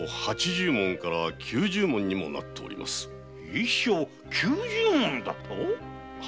一升九十文だと？